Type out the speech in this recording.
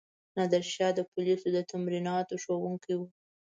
نادرشاه د پولیسو د تمریناتو ښوونکی وو.